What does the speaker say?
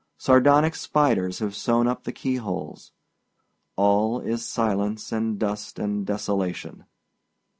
Sardonic spiders have sewed up the key holes. All is silence and dust and desolation.